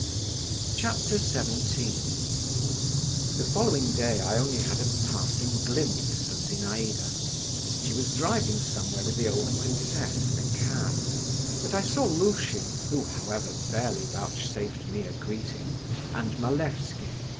XVII The following day I only had a passing glimpse of Zinaïda: she was driving somewhere with the old princess in a cab. But I saw Lushin, who, however, barely vouchsafed me a greeting, and Malevsky.